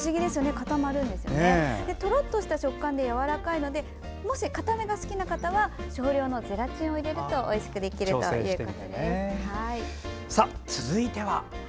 とろっとした食感でやわらかいのでもし、かためが好きな人は少量のゼラチンを入れて作るといいということでした。